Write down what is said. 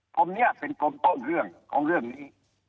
กรมนี้เป็นกรมต้นเรื่องของเรื่องนี้